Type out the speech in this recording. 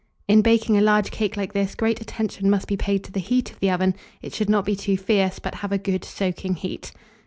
In baking a large cake like this, great attention must be paid to the heat of the oven; it should not be too fierce, but have a good soaking heat.